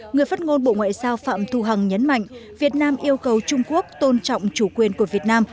người phát ngôn bộ ngoại giao phạm thu hằng nhấn mạnh việt nam yêu cầu trung quốc tôn trọng chủ quyền của việt nam